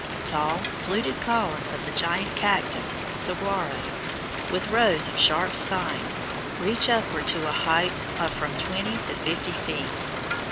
Tall, fluted columns of the giant cactus (saguaro), with rows of sharp spines, reach upward to a height of from twenty to fifty feet.